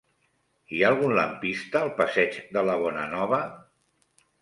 Hi ha algun lampista al passeig de la Bonanova?